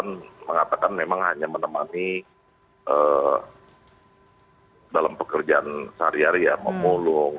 yang mengatakan memang hanya menemani dalam pekerjaan sehari hari ya memulung